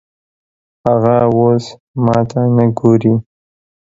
هغه اوس ماته نه ګوري